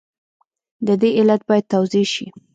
د دې علت باید توضیح شي.